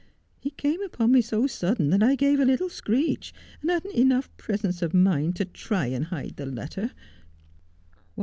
He came upon me so sudden that I gave a little screech, and hadn't enough presence of mind to try to hide the letter.